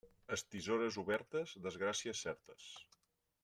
Estisores obertes, desgràcies certes.